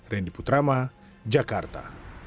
rendy putrama jakarta